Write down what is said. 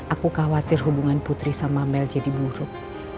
aku khawatir hubungan putri sama mel jadi buruk